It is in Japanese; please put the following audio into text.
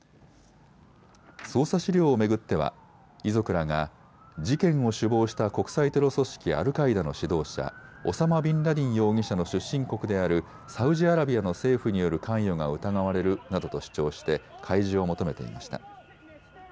捜査資料を巡っては遺族らが事件を首謀した国際テロ組織アルカイダの指導者オサマ・ビンラディン容疑者の出身国であるサウジアラビアの政府による関与が疑われるなどと主張して開示を求めていました。